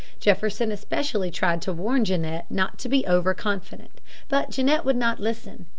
Jefferson especially tried to warn Genet not to be over confident. But Genet would not listen.